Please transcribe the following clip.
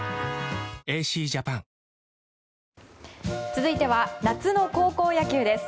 続いては夏の高校野球です。